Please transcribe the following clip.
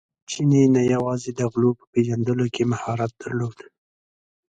چیني نه یوازې د غلو په پېژندلو کې مهارت درلود.